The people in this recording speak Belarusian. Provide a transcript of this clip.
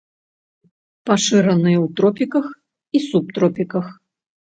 Пашыраны ў тропіках і субтропіках.